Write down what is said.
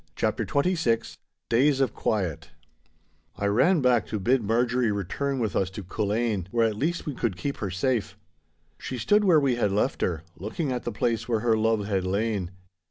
*CHAPTER XXVI* *DAYS OF QUIET* I ran back to bid Marjorie return with us to Culzean, where at least we could keep her safe. She stood where we had left her, looking at the place where her love had lain.